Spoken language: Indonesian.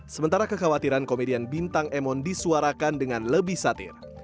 sementara kekhawatiran komedian bintang emon disuarakan dengan lebih satir